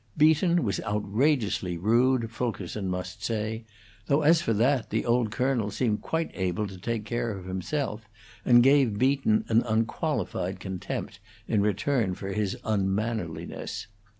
Beaton was outrageously rude, Fulkerson must say; though as for that, the old colonel seemed quite able to take care of himself, and gave Beaton an unqualified contempt in return for his unmannerliness.